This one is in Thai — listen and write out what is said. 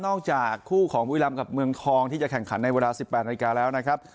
จากคู่ของบุรีรำกับเมืองทองที่จะแข่งขันในเวลา๑๘นาฬิกาแล้วนะครับ